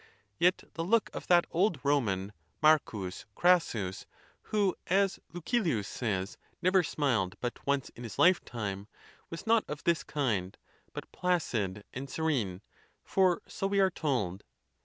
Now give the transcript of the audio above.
Yet the look of that old Roman, M. Crassus, who, as Lucilius says, never smiled but once in his lifetime, was not of this kind, but placid and serene, for so we are told.